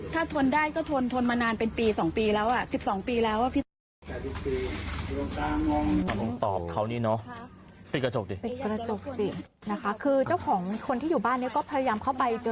ถ้าทนได้ก็ทนทนมานานเป็นปีลงสองปีแล้วดิ